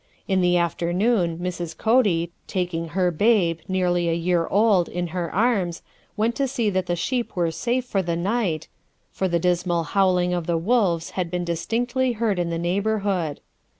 In the afternoon Mrs. Cody, taking her babe, nearly a year old, in her arms, went to see that the sheep were safe for the night, for the dismal howling of the wolves had been distinctly heard in the neighborhood.